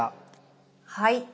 はい。